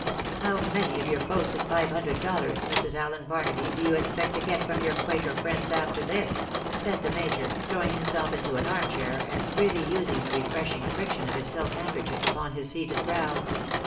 "How many of your boasted five hundred dollars, Mrs. Allen Barnaby, do you expect to get from your quaker friends after this?" said the major, throwing himself into an arm chair, and freely using the refreshing friction of his silk handkerchief upon his heated brow.